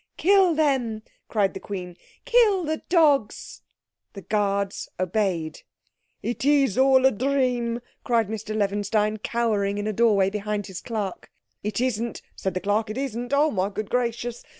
"Kill them," cried the Queen. "Kill the dogs!" The guards obeyed. "It is all a dream," cried Mr Levinstein, cowering in a doorway behind his clerk. "It isn't," said the clerk. "It isn't. Oh, my good gracious!